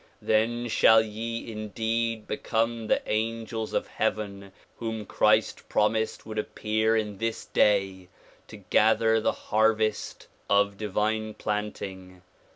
Then shall ye indeed become the angels of heaven whom ('hrist promised would appear in this Day to gather the hai'\'est of divine planting.